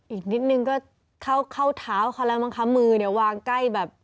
อีกนิดนึงก็เข้าเท้าคำนั้นมั้งค่ะมือวางใกล้แบบ